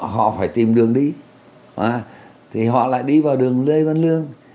họ phải tìm đường đi thì họ lại đi vào đường lê văn lương